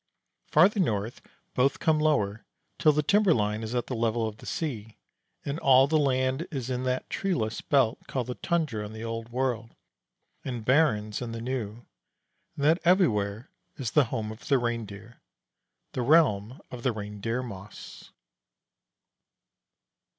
Farther north both come lower, till the timber line is at the level of the sea; and all the land is in that treeless belt called Tundra in the Old World, and Barrens in the New, and that everywhere is the Home of the Reindeer the Realm of the Reindeer moss.